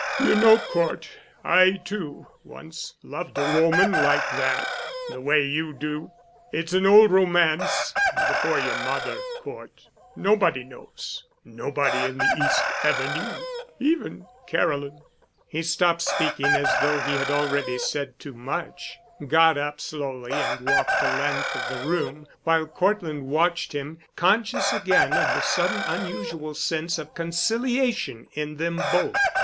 You know, Cort, I, too, once loved a woman like that—the way you do. It's an old romance—before your mother, Cort. Nobody knows—nobody in the East ever knew—even Caroline——" He stopped speaking as though he had already said too much, got up slowly and walked the length of the room, while Cortland watched him, conscious again of the sudden unusual sense of conciliation in them both.